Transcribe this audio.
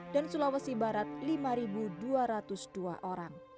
dan sulawesi barat lima dua ratus dua orang